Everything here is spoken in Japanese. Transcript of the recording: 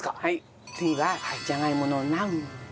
次はじゃがいものナムル。